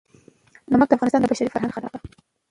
نمک د افغانستان د بشري فرهنګ برخه ده.